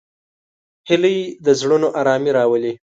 هیلۍ د زړونو آرامي راولي